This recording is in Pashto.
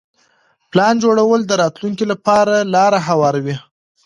پلان جوړونه د راتلونکي لپاره لاره هواروي.